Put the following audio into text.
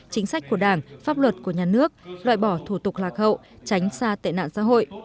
chính sách của đảng pháp luật của nhà nước loại bỏ thủ tục lạc hậu tránh xa tệ nạn xã hội